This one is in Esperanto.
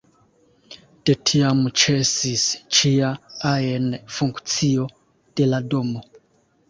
De tiam ĉesis ĉia ajn funkcio de la domo.